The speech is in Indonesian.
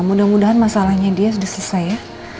mudah mudahan masalahnya dia sudah selesai ya